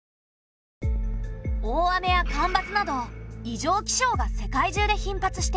大雨や干ばつなど異常気象が世界中で頻発している。